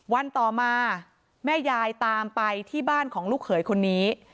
วันต่อมาแม่ยายตามไปที่บ้านของลูกเขยคนนี้